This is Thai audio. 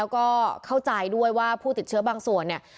ก็เข้าใจด้วยว่าผู้ติดเชื้อบางส่วนเนี่ย